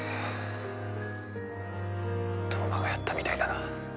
飛羽真がやったみたいだな。